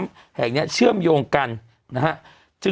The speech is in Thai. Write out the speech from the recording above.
สวัสดีครับคุณผู้ชม